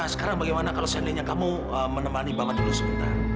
sekarang bagaimana kalau saya nilainya kamu menemani bapak dulu sebentar